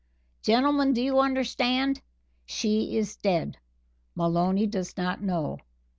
Gentlemen, do you understand? She is dead. Maloney does not know.